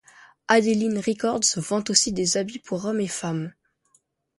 Adeline Records vend aussi des habits pour homme et femme.